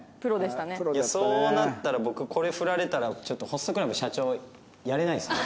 いやそうなったら僕これフラれたらちょっとホストクラブ社長やれないですよね。